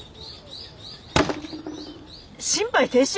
心肺停止！？